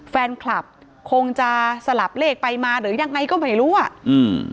แฟนคลับคงจะสลับเลขไปมาหรือยังไงก็ไม่รู้อ่ะอืม